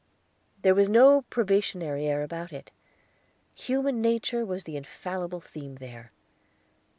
There was no probationary air about it. Human Nature was the infallible theme there.